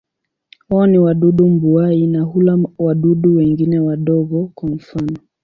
Wao ni wadudu mbuai na hula wadudu wengine wadogo, kwa mfano.